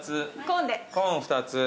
コーン２つ。